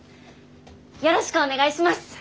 よろしくお願いします。